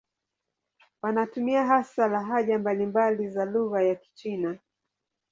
Wanatumia hasa lahaja mbalimbali za lugha ya Kichina.